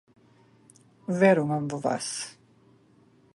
Верувам во вас.